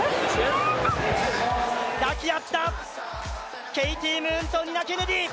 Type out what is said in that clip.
抱き合った、ケイティ・ムーンとニナ・ケネディ